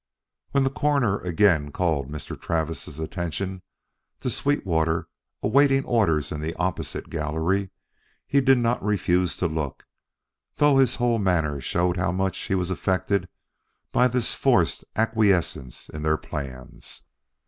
When the Coroner again called Mr. Travis' attention to Sweetwater awaiting orders in the opposite gallery he did not refuse to look, though his whole manner showed how much he was affected by this forced acquiescence in their plans.